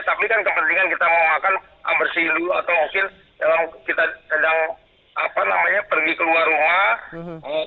tapi kan kepentingan kita mau makan bersilu atau mungkin kita sedang apa namanya pergi keluar rumah